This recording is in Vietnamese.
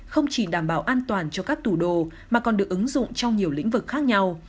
không chỉ đảm bảo an toàn cho các tủ đồ mà còn được ứng dụng trong nhiều lĩnh vực khác nhau